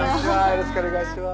よろしくお願いします